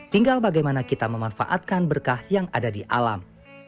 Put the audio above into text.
tinggal bagaimana kita memanfaatkan berkah yang ada di alam